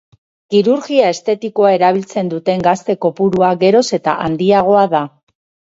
Kirurgia estetikoa erabiltzen duten gazte kopurua geroz eta handiagoa da.